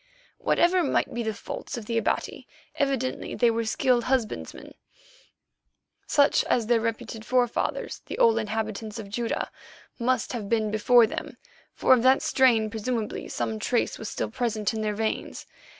Whatever might be the faults of the Abati, evidently they were skilled husbandsmen, such as their reputed forefathers, the old inhabitants of Judæa, must have been before them, for of that strain presumably some trace was still present in their veins.